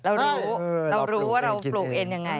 เรารู้ว่าเราปลูกเอ็นยังไง